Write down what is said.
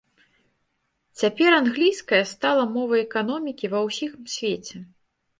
Цяпер англійская стала мовай эканомікі ва ўсіх свеце.